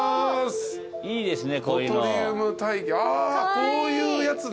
こういうやつね。